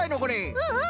うんうん！